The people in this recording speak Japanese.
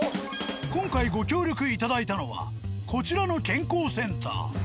今回ご協力いただいたのはこちらの健康センター。